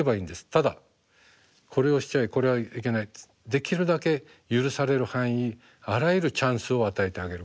ただ「これをしちゃこれはいけない」できるだけ許される範囲あらゆるチャンスを与えてあげること。